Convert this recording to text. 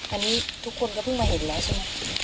อันนี้ทุกคนก็เพิ่งมาเห็นแล้วใช่ไหม